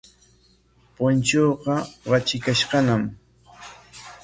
Punchuuqa ratrikashqañam.